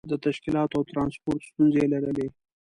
د تشکیلاتو او ترانسپورت ستونزې یې لرلې.